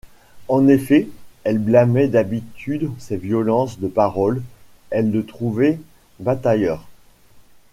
En effet, elle blâmait d’habitude ses violences de paroles, elle le trouvait batailleur.